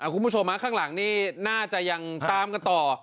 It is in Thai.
คุณผู้ชมข้างหลังนี่น่าจะยังตามกันต่อ